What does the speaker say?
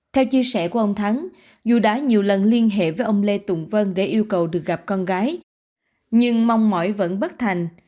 theo chia sẻ của ông thắng dù đã nhiều lần liên hệ với ông lê tùng vân để yêu cầu được gặp con gái nhưng mong mỏi vẫn bất thành